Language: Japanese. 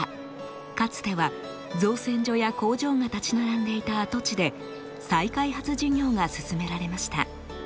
かつては造船所や工場が立ち並んでいた跡地で再開発事業が進められました。